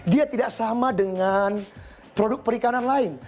dia tidak sama dengan produk perikanan lain